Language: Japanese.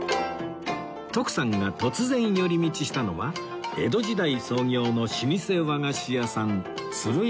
徳さんが突然寄り道したのは江戸時代創業の老舗和菓子屋さん鶴屋八幡